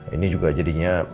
ini juga jadinya